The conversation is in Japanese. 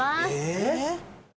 えっ！？